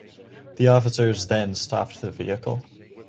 The officers then stopped the vehicle.